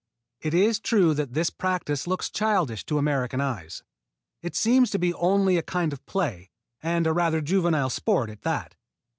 It is true that this practise looks childish to American eyes. It seems to be only a kind of play, and a rather juvenile sport at that.